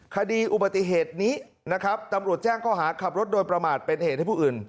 คดีอุบัติเหตุนี้นะครับตำรวจแจ้งข้อหาขับรถโดยประมาทเป็นเหตุให้ผู้อื่น